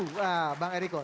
nah bang ericko